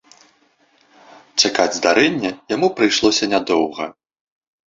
Чакаць здарэння яму прыйшлося нядоўга.